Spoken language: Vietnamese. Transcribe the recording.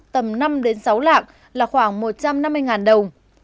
tầm năm sáu lạng là khoảng một trăm năm mươi đồng